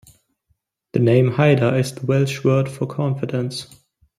The name Hyder is the Welsh word for "confidence".